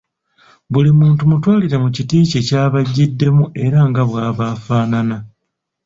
Buli muntu mutwalire mu kiti kye ky’aba ajjiddemu era nga bw’aba afaanana.